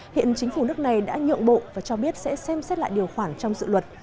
hiện chính phủ nước này đã nhượng bộ và cho biết sẽ xem xét lại điều khoản trong dự luật